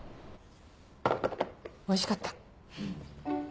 おいしかった。